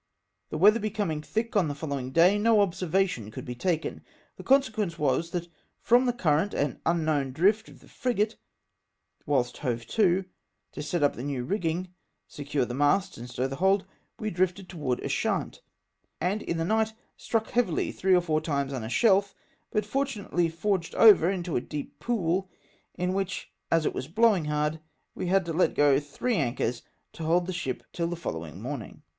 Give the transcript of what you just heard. The weather becoming thick on the following day, no observation could be taken. The consequeiice was, that from the current and unknown drift of the frigate whilst hove to, to set up the new rigging, secure the masts, and stow the hold, we drifted toward Ushant, and in the night struck heavily three or four times on a shelf, but fortunately forged over into a deep pool, in which, as it was blowing hard, we had to let go three anchors to hold the ship till the following morning.